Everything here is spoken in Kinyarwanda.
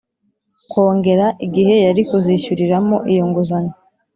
kongera igihe yari kuzishyuriramo iyo nguzanyo